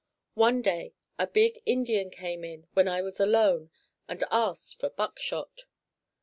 One day a big Indian came in when I was alone and asked for buckshot.